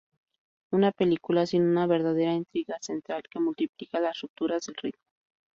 Una película sin una verdadera intriga central, que multiplica las rupturas del ritmo.